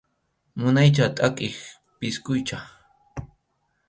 Munaycha takiq pisqucha.